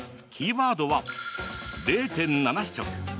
キーワードは０．７食。